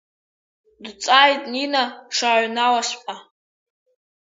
Дҵааит Нина, дшааҩналазҵәҟьа.